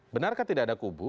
benarkah tidak ada kubu